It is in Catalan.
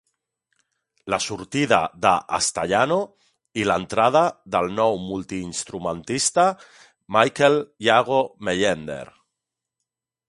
La sortida de Staiano, i l'entrada del nou multi-instrumentista Michael Iago Mellender.